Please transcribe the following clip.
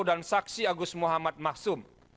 dan saksi agus muhammad mahsum